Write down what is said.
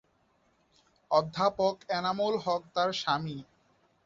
অধ্যাপক এনামুল হক তার স্বামী।